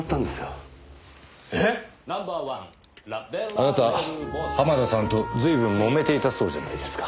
あなた濱田さんと随分もめていたそうじゃないですか。